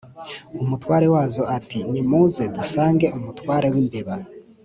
umutware wazo ati « nimuze dusange umutware w'imbeba,